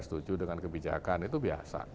setuju dengan kebijakan itu biasa